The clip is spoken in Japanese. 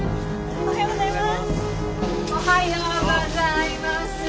おはようございます。